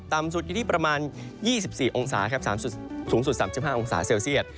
สุดอยู่ที่ประมาณ๒๔องศาครับสูงสุด๓๕องศาเซลเซียต